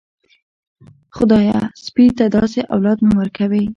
خدايه سپي ته داسې اولاد مه ورکوې.